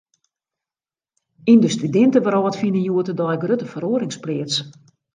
Yn de studintewrâld fine hjoed-de-dei grutte feroarings pleats.